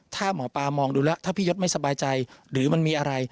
ถ้าหมอปลามองดูแล้วถ้าพี่ยศไม่สบายใจหรือมันมีอะไร